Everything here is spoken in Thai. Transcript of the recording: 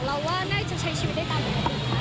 เราว่าน่าจะใช้ชีวิตได้ตามอย่างนี้